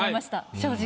正直。